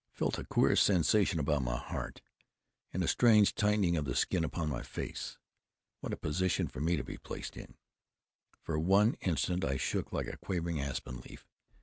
I felt a queer sensation around my heart and a strange tightening of the skin upon my face! What a position for me to be placed in! For one instant I shook like a quivering aspen leaf.